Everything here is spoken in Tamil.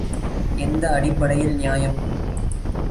எந்த அடிப்படையில் நியாயம்?